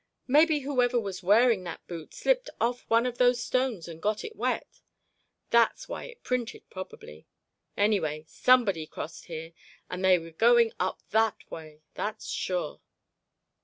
"Maybe whoever was wearing that boot slipped off one of those stones and got it wet. That's why it printed, probably. Anyway, somebody crossed here and they were going up that way, that's sure."